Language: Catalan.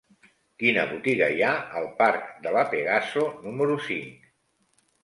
Quina botiga hi ha al parc de La Pegaso número cinc?